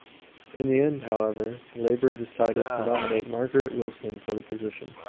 In the end, however, Labour decided to nominate Margaret Wilson for the position.